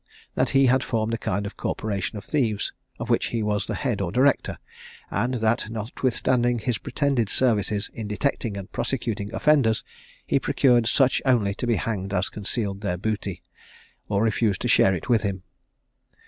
That he had formed a kind of corporation of thieves, of which he was the head or director; and that notwithstanding his pretended services in detecting and prosecuting offenders, he procured such only to be hanged as concealed their booty, or refused to share it with him.